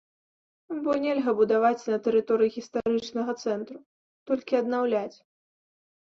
Бо нельга будаваць на тэрыторыі гістарычнага цэнтру, толькі аднаўляць.